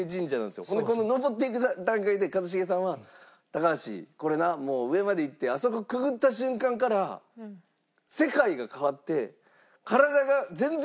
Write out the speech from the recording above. この上っていく段階で一茂さんは「高橋これなもう上まで行ってあそこくぐった瞬間から世界が変わって体が全然違くなるからな」。